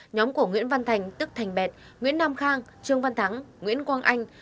nhóm của nguyễn văn thành tức thành bẹt nguyễn nam khang trương văn thắng nguyễn quang anh